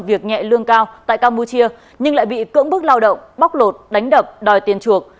việc nhẹ lương cao tại campuchia nhưng lại bị cưỡng bức lao động bóc lột đánh đập đòi tiền chuộc